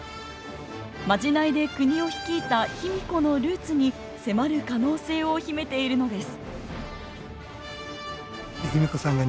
まじないでクニを率いた卑弥呼のルーツに迫る可能性を秘めているのです。